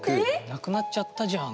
なくなっちゃったんじゃんでも。